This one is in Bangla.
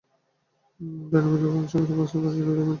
ডাইনিবিদ্যা শেখার শাস্তি হল, ফাঁসিতে ঝুলিয়ে মৃত্যু!